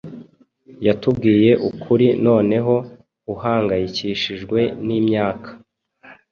Yatubwiye ukuri Noneho uhangayikishijwe nimyaka